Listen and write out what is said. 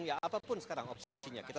ya apapun sekarang opsinya